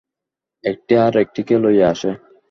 একটি আর একটিকে লইয়া আসে।